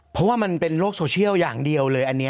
เพราะว่ามันเป็นโลกโซเชียลอย่างเดียวเลยอันนี้